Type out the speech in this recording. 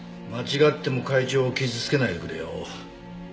間違っても会長を傷つけないでくれよ。